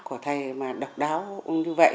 của thầy mà độc đáo như vậy